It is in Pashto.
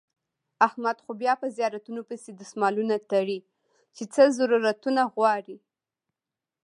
احمد خو بیا په زیارتونو پسې دسمالونه تړي چې څه ضرورتو نه غواړي.